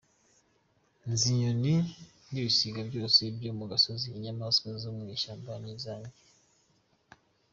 Nzi inyoni n’ibisiga byose byo ku misozi, Inyamaswa zo mu ishyamba ni izanjye.